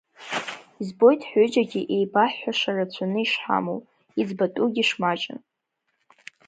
Избоит ҳҩыџьагьы еибаҳҳәаша рацәаны ишҳамоу, иӡбатәугьы шмаҷым.